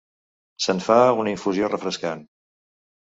Se'n fa una infusió refrescant.